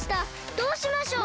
どうしましょう？